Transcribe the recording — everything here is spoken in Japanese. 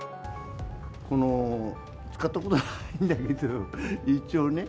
使ったことないんだけど、一応ね。